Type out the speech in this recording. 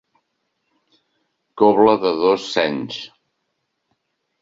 «Cobla de dos senys».